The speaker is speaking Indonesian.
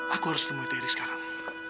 aku harus temui diri sekarang